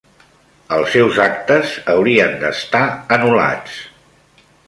Els seus actes haurien d'estar anul·lats.